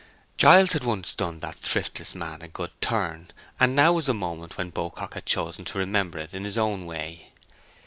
Giles had once done that thriftless man a good turn, and now was the moment when Beaucock had chosen to remember it in his own way.